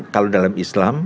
kalau dalam islam